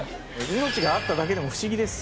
命があっただけでも不思議です。